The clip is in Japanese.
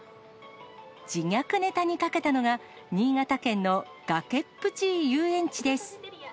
自虐ネタにかけたのが、新潟県の崖っぷち遊園地です。